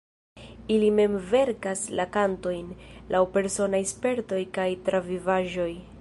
Ili mem verkas la kantojn, laŭ personaj spertoj kaj travivaĵoj.